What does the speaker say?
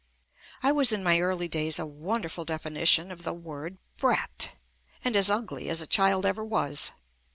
I was in my early days a wonderful definition of the word "brat" and as ugly as a child ever was.